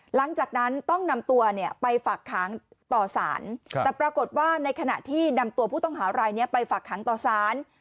หลังจากนั้นต้องนำตัวเนี่ยไปฝากค้างต่อสารแต่ปรากฏว่าในขณะที่นำตัวผู้ต้องหารายนี้ไปฝากหางต่อสาร